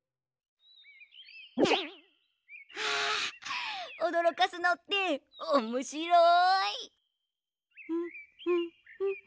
あおどろかすのっておもしろい！